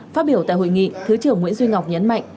phát biểu tại hội nghị thứ trưởng nguyễn duy ngọc nhấn mạnh